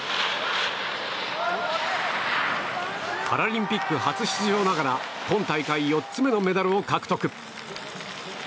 パラリンピック初出場ながら今大会４つ目のメダルを獲得。